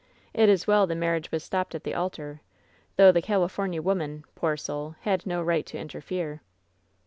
It is well the marriage was stopped at the altar, though the California woman, poor soul, had no right to interfere."